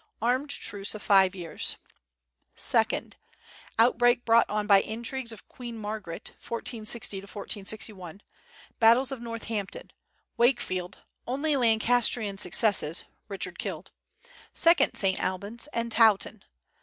Armed truce of five years. Second Outbreak brought on by intrigues of Queen Margaret, 1460 1461; battles of Northampton, Wakefield (only Lancastrian success; Richard killed), second St. Albans, and Towton.